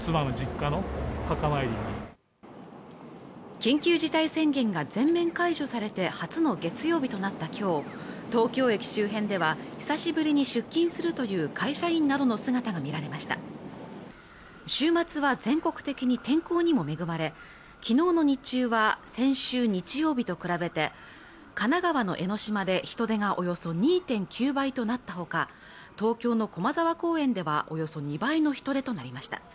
緊急事態宣言が全面解除されて初の月曜日となった今日東京駅周辺では久しぶりに出勤するという会社員などの姿が見られました週末は全国的に天候にも恵まれ昨日の日中は先週日曜日と比べて神奈川の江の島で人出がおよそ２．９倍となったほか東京の駒沢公園ではおよそ２倍の人出となりました